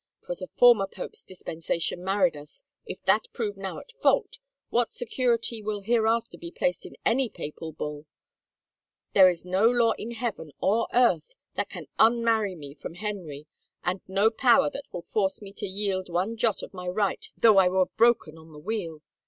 'Twas a former pope's dispensation married us : if that prove now at fault, what security will hereafter be placed in any papal bull ? There is no law in Heaven or earth that can unmarry me from Henry and no power that will force me to yield one jot of my right though I were broken on the wheel!